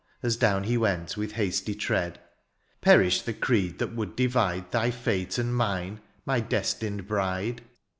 As down he went with hasty tread ;'^ Perish the creed that would divide ^' Thy fete and mine, my destined biide.